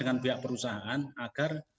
dengan pihak perusahaan agar